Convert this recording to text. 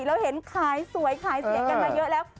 เราเห็นขายสวยขายเสียงกันมาเยอะแล้ว